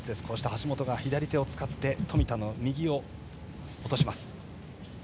橋本が左手を使って冨田の右を落とします。